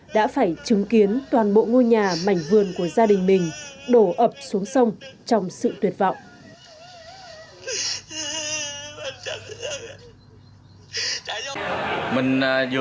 đã phải chứng kiến toàn bộ ngôi nhà mảnh vườn của gia đình mình đổ ập xuống sông trong sự tuyệt vọng